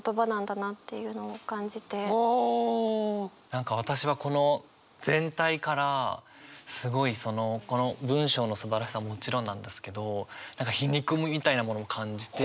何か私はこの全体からすごいこの文章のすばらしさももちろんなんですけど皮肉みたいなものも感じて。